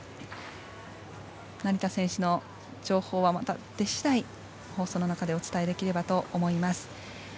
成田選手の情報はまた出次第、放送の中でお伝えできればと思います。